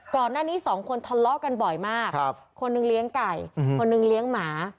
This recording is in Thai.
ก่อนหน้านี้สองคนทะเลาะกันบ่อยมากคนหนึ่งเลี้ยงไก่คนหนึ่งเลี้ยงหมา